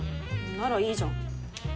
ならいいじゃん。